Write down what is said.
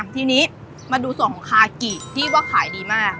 ทีนี้มาดูส่วนของคากิที่ว่าขายดีมาก